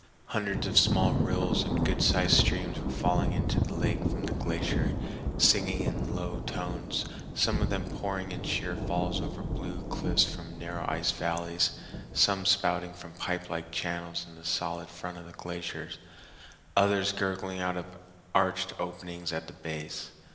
Hundreds of small rills and good sized streams were falling into the lake from the glacier, singing in low tones, some of them pouring in sheer falls over blue cliffs from narrow ice valleys, some spouting from pipelike channels in the solid front of the glacier, others gurgling out of arched openings at the base.